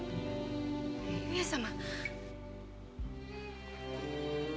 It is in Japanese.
上様！